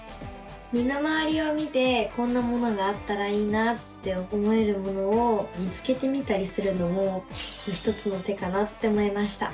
身の回りを見てこんなものがあったらいいなって思えるものを見つけてみたりするのも一つの手かなって思いました。